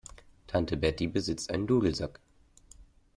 Tante Betty besitzt einen Dudelsack.